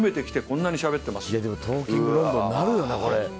でもトーキングインロンドンなるよなこれ。